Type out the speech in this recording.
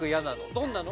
どんなの？